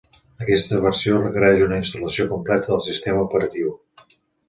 Aquesta versió requereix una instal·lació completa del sistema operatiu.